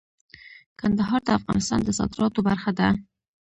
کندهار د افغانستان د صادراتو برخه ده.